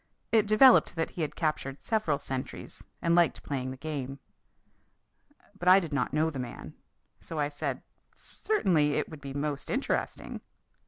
It developed that he had captured several sentries and liked playing the game. But I did not know the man. So I said: "Certainly, it would be most interesting."